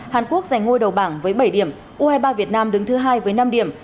hàn quốc giành ngôi đầu bảng với bảy điểm u hai mươi ba việt nam đứng thứ hai với năm điểm